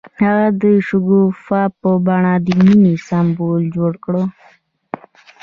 هغه د شګوفه په بڼه د مینې سمبول جوړ کړ.